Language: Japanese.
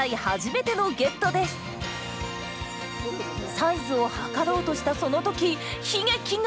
サイズを測ろうとしたその時悲劇が。